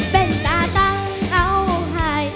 เป็นตาตั้งเอาให้